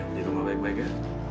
di rumah baik baik ya